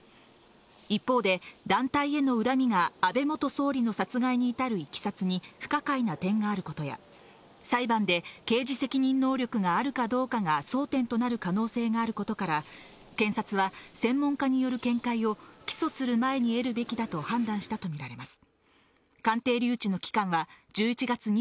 一方で団体への恨みが安倍元総理の殺害に至るいきさつに不可解な点があることや、裁判で刑事責任能力があるかどうかが争点となる可能性があることから、検察は専門家による見解を起訴する前に得るべきだと判断したとみられます。